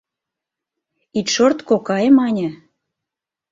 — Ит шорт, кокай, — мане.